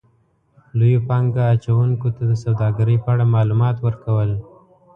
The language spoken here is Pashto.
-لویو پانګه اچونکو ته د سوداګرۍ په اړه مالومات ورکو ل